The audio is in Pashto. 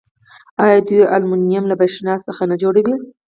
آیا دوی المونیم له بریښنا څخه نه جوړوي؟